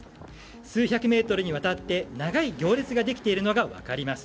数百メートルにわたって長い行列ができているのが分かります。